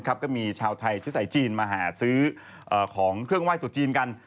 ก็มีชาวไทยเชื้อสายจีนมาหาซื้อของเครื่องไหว้ตัวจีนกัน